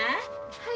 はい。